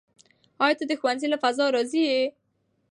آیا ته د ښوونځي له فضا راضي یې؟